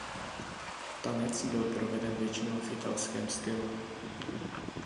Tanec byl proveden většinou v italském stylu.